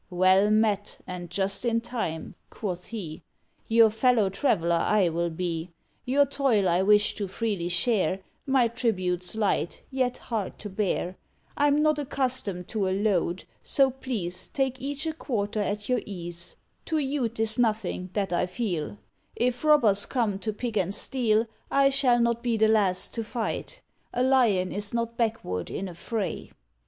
"Well met; and just in time," quoth he; "Your fellow traveller I will be; Your toil I wish to freely share, My tribute's light, yet hard to bear; I'm not accustomed to a load; so, please, Take each a quarter at your ease, To you 'tis nothing, that I feel; If robbers come to pick and steal, I shall not be the last to fight: A Lion is not backward in a fray."